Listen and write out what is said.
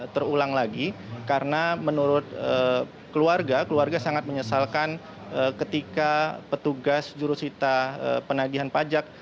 terulang lagi karena menurut keluarga keluarga sangat menyesalkan ketika petugas jurusita penagihan pajak